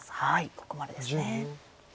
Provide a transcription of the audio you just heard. ここまでですね。